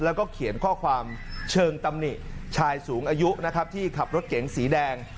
แล้วก็เขียนข้อความเชิงตำหนิชายสูงอายุนะครับที่ขับรถเก๋งสีแดง